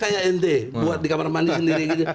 kayak nt buat di kamar mandi sendiri gitu